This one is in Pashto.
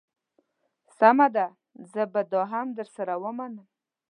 سمه ده زه به دا هم در سره ومنم.